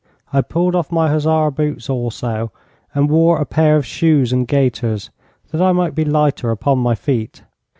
I pulled off my hussar boots also, and wore a pair of shoes and gaiters, that I might be lighter upon my feet.